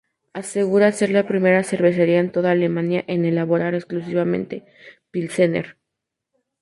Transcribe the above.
Asegura ser la primera cervecería en toda Alemania en elaborar exclusivamente Pilsener.